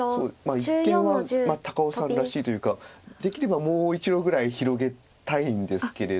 一間は高尾さんらしいというかできればもう１路ぐらい広げたいんですけれど。